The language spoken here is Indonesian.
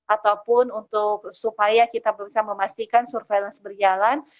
ataupun untuk supaya kita bisa memastikan surveillance berjalan